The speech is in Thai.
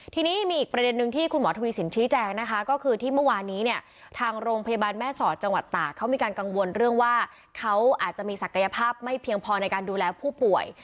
ทีนี้มีอีกประเด็นนึงที่คุณหมอทวีสินชี้แจงนะคะก็คือที่เมื่อวานนี้เนี่ยทางโรงพยาบาลแม่สอดจังหวัดตากเขามีการกังวลเรื่องว่าเขาอาจจะมีศักยภาพไม่เพียงพอในการดูแลผู้ป่วย